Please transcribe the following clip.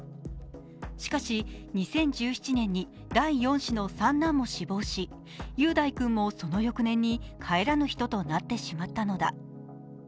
しかし、２０１７年に第４子の三男も死亡し、雄大君もその翌年に帰らぬ人となってしまったのだ。